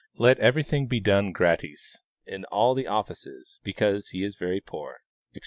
Let everything be done gratis in all the offices, because he is very poor, etc.